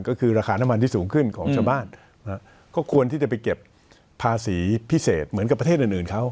ก็คือราคาน้ำมันที่สูงขึ้นของชาวบ้านก็ควรที่จะไปเก็บภาษีพิเศษเหมือนกับประเทศอื่นเขา